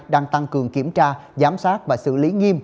đang tăng cường kiểm tra giám sát và xử lý nghiêm